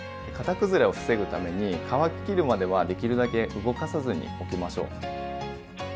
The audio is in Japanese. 型崩れを防ぐために乾ききるまではできるだけ動かさずにおきましょう。